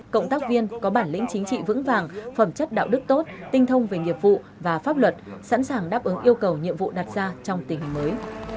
cộng tác viên có bản lĩnh chính trị vững vàng phẩm chất đạo đức tốt tinh thông về nghiệp vụ và pháp luật sẵn sàng đáp ứng yêu cầu nhiệm vụ đặt ra trong tình hình mới